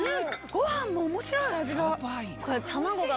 ご飯も面白い味が。